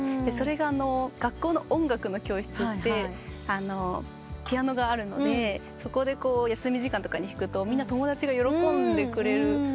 それが学校の音楽の教室ってピアノがあるのでそこで休み時間とかに弾くとみんな友達が喜んでくれる。